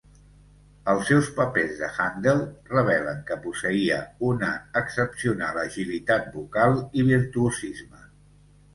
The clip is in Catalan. Els seus papers de Handel revelen que posseïa una excepcional agilitat vocal i virtuosisme.